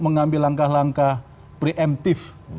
mengambil langkah langkah preemptif